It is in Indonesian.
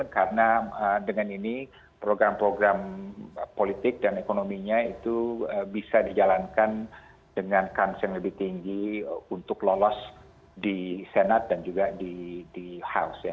karena dengan ini program program politik dan ekonominya itu bisa dijalankan dengan kans yang lebih tinggi untuk lolos di senat dan juga di house